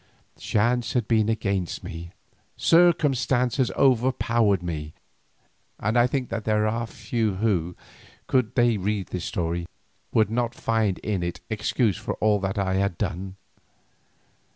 Chance had been against me, circumstances overpowered me, and I think that there are few who, could they read this story, would not find in it excuse for all that I had done.